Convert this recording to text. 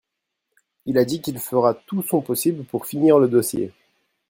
il a dit qu'il fera tout son possible pour finir le dossier.